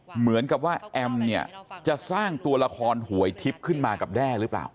เหมือนกับว่าแอมเนี่ยจะสร้างตัวละครหวยทิพย์ขึ้นมากับแด้หรือเปล่า